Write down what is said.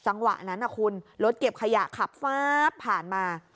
สังวัยนั้นน่ะคุณรถเก็บขยะขับฟ้าบผ่านมา